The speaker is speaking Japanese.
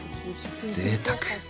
ぜいたく！